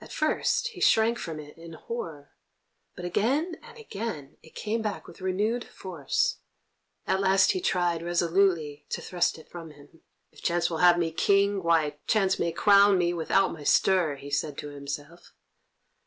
At first he shrank from it in horror, but again and again it came back with renewed force. At last he tried resolutely to thrust it from him. "If chance will have me King, why, chance may crown me, without my stir," he said to himself.